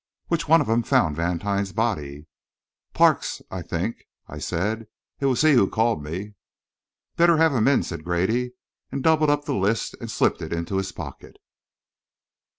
"Which one of 'em found Vantine's body?" "Parks, I think," I said. "It was he who called me." "Better have him in," said Grady, and doubled up the list and slipped it into his pocket.